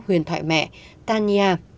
huyền thoại mẹ tanya